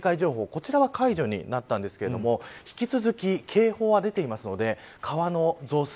こちらは解除になったんですけれども引き続き警報は出ているので川の増水